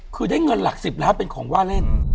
คือได้เงินหลัก๑๐ล้านเป็นของว่าเล่น